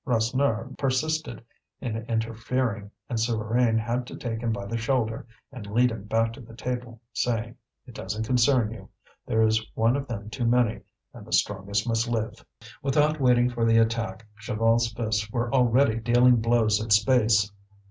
Rasseneur persisted in interfering, and Souvarine had to take him by the shoulder and lead him back to the table, saying: "It doesn't concern you. There is one of them too many, and the strongest must live." Without waiting for the attack, Chaval's fists were already dealing blows at space.